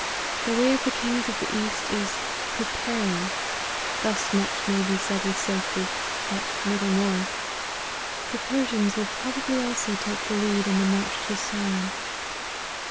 The way of the kings of the east is preparing : thus much may be said with safety, but little more. The Persians will also probably take the lead in the march to Sion."